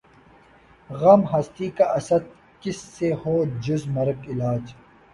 غم ہستی کا اسدؔ کس سے ہو جز مرگ علاج